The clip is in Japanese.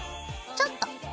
ちょっと。